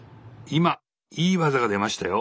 今いい技が出ましたよ。